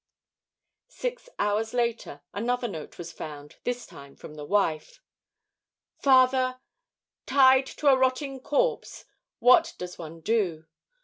Six hours later another note was found, this time from the wife: "FATHER: "Tied to a rotting corpse what does one do?